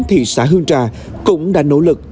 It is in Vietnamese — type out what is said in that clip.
thị xã hương trà cũng đã nỗ lực